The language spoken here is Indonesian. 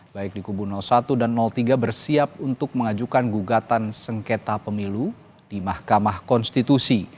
baik di kubu satu dan tiga bersiap untuk mengajukan gugatan sengketa pemilu di mahkamah konstitusi